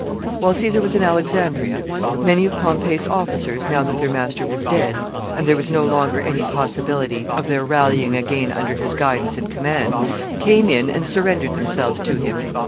] While Caesar was in Alexandria, many of Pompey's officers, now that their master was dead, and there was no longer any possibility of their rallying again under his guidance and command, came in and surrendered themselves to him.